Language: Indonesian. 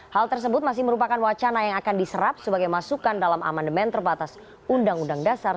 hal tersebut masih merupakan wacana yang akan diserap sebagai masukan dalam amandemen terbatas uud seribu sembilan ratus empat puluh lima